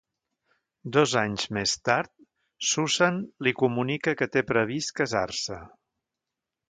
Dos anys més tard, Susan li comunica que té previst casar-se.